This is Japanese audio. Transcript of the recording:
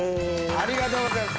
ありがとうございます！